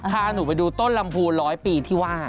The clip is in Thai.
พาหนูไปดูต้นลำพู๑๐๐ปีที่ว่า